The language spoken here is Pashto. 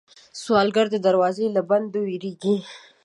سوالګر د دروازې له بندېدو وېرېږي